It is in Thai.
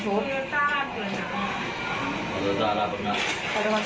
ผู้ชายเหรอ